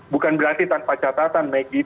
bukan berarti tanpa catatan maggie